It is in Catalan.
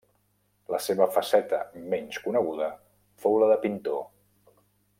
La seva faceta menys coneguda fou la de pintor.